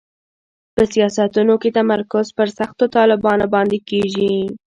په سیاستونو کې تمرکز پر سختو طالبانو باندې کېږي.